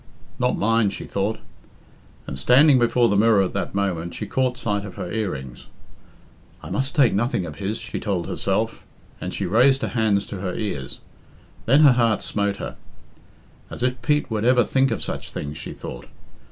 "Not mine," she thought. And standing before the mirror at that moment, she caught sight of her earrings. "I must take nothing of his," she told herself, and she raised her hands to her ears. Then her heart smote her. "As if Pete would ever think of such things," she thought.